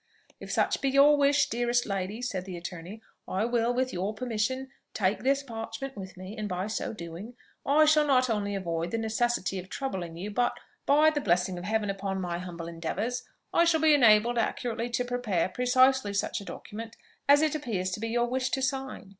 "If such be your wish, dearest lady," said the attorney, "I will, with your permission, take this parchment with me; and by so doing, I shall not only avoid the necessity of troubling you, but, by the blessing of Heaven upon my humble endeavours, I shall be enabled accurately to prepare precisely such a document as it appears to be your wish to sign.